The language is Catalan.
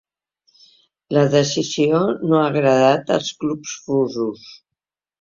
La decisió no ha agradat als clubs russos.